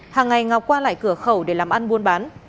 hàng ngày ngọc qua lại cửa khẩu để làm ăn buôn bán